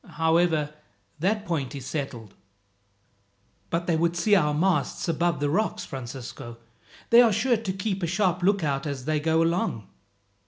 However, that point is settled." "But they would see our masts above the rocks, Francisco. They are sure to keep a sharp lookout as they go along."